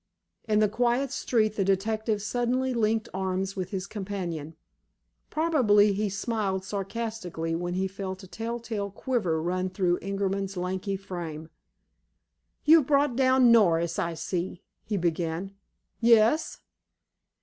In the quiet street the detective suddenly linked arms with his companion. Probably he smiled sardonically when he felt a telltale quiver run through Ingerman's lanky frame. "You've brought down Norris, I see?" he began. "Yes."